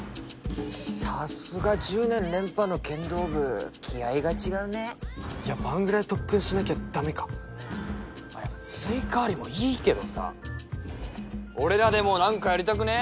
さすが１０年連覇の剣道部気合いが違うねやっぱあんぐらい特訓しなきゃダメかスイカ割りもいいけどさ俺らでもなんかやりたくね？